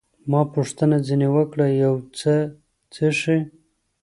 ما پوښتنه ځیني وکړل، یو څه څښئ؟